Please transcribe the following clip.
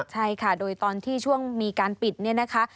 ใช่ค่ะโดยตอนที่ช่วงมีการปิดเนี่ยนะคะ